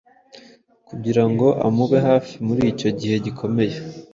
kugira ngo amube hafi muri icyo gihe gikomeye.